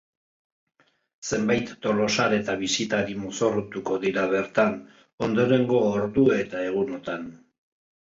Zenbait tolosar eta bisitari mozorrotuko dira bertan, ondorengo ordu eta egunotan.